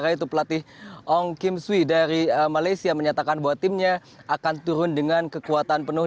yaitu pelatih ong kim sui dari malaysia menyatakan bahwa timnya akan turun dengan kekuatan penuh